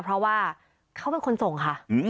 เพราะว่าเขาเป็นคนส่งค่ะ